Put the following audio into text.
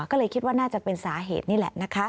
ก็เลยคิดว่าน่าจะเป็นสาเหตุนี่แหละนะคะ